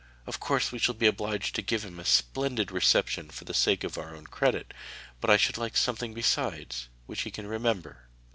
Of course we shall be obliged to give him a splendid reception for the sake of our own credit, but I should like something besides, which he can remember.'